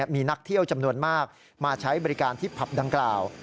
มีนักเที่ยวจำนวนมากมาใช้บริการที่ผับดังกล่าว